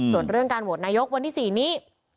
ส่วนเรื่องการโหวตนายกวันที่๔นี้